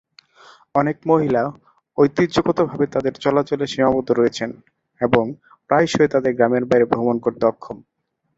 অনেক মহিলা ঐতিহ্যগতভাবে তাদের চলাচলে সীমাবদ্ধ রয়েছেন এবং প্রায়শই তাদের গ্রামের বাইরে ভ্রমণ করতে অক্ষম।